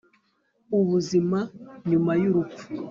ubuzima nyuma y'urupfu